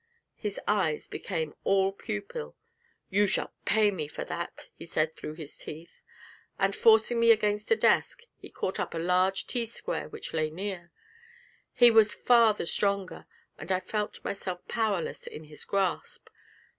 His eyes became all pupil. 'You shall pay me for that!' he said through his teeth; and, forcing me against a desk, he caught up a large T square which lay near; he was far the stronger, and I felt myself powerless in his grasp.